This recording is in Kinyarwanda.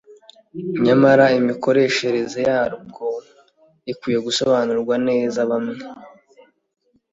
nyamara imikoreshereze yabwo ikwiye gusobanurwa neza bamwe